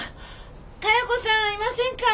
加代子さんいませんか？